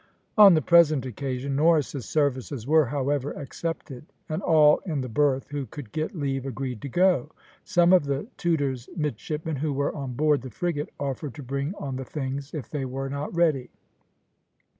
On the present occasion Norris's services were, however, accepted, and all in the berth who could get leave agreed to go. Some of the Tudor's midshipmen who were on board the frigate offered to bring on the things if they were not ready.